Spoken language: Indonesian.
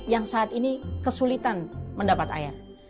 bharat ini kesulitan mendapat air